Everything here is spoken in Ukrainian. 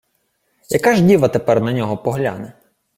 Яка ж діва тепер на нього погляне?